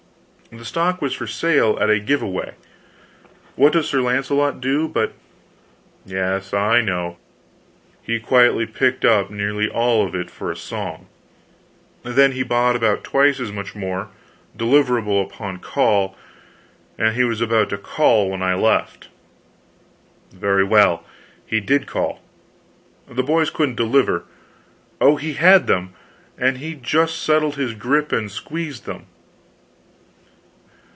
The stock was for sale at a give away. What does Sir Launcelot do, but " "Yes, I know; he quietly picked up nearly all of it for a song; then he bought about twice as much more, deliverable upon call; and he was about to call when I left." "Very well, he did call. The boys couldn't deliver. Oh, he had them and he just settled his grip and squeezed them.